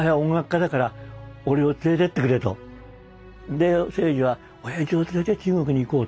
で征爾は親父を連れて中国に行こうと。